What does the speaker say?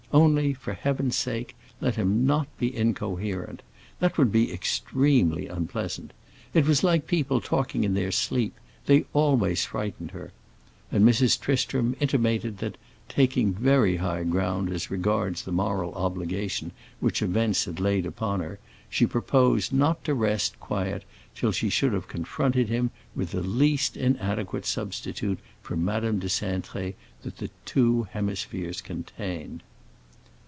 Only, for Heaven's sake, let him not be incoherent. That would be extremely unpleasant. It was like people talking in their sleep; they always frightened her. And Mrs. Tristram intimated that, taking very high ground as regards the moral obligation which events had laid upon her, she proposed not to rest quiet until she should have confronted him with the least inadequate substitute for Madame de Cintré that the two hemispheres contained.